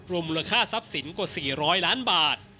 รวมมูลค่าทรัพย์สินกว่า๔๐๐ล้านบาท